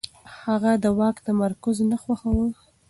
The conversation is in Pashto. هغه د واک تمرکز نه خوښاوه.